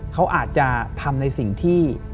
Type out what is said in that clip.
เขาอาจจะทำในสิ่งที่